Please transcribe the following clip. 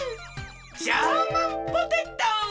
ジャーマンポテト！